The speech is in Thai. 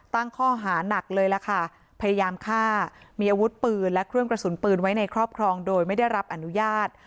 ตั้งข้อหานักเลยล่ะค่ะพยายามฆ่ามีอาวุธปืนและเครื่องกระสุนปืนไว้ในครอบครองโดยไม่ได้รับอนุญาต